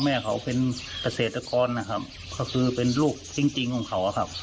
แม่เขาเป็นเกษตรกรนะครับก็คือเป็นลูกจริงของเขาครับ